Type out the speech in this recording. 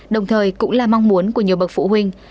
đồng thời cũng là mong muốn của nhiều bậc phụ huynh